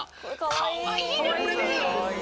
かわいいねこれね。